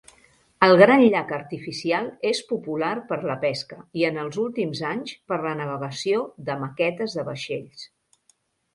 El gran llac artificial és popular per la pesca i, en els últims anys, per la navegació de maquetes de vaixells.